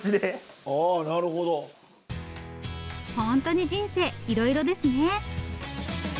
ホントに人生いろいろですね。